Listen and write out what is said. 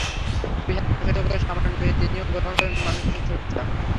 দুই হাত প্রসারিত করে সামান্য নুয়ে তিনিও গ্রহণ করলেন মানুষের শুভেচ্ছা।